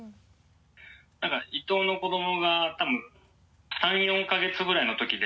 何か伊藤の子どもが多分３４か月ぐらいの時で。